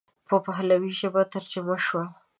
په پهلوي ژبه ترجمه شوه.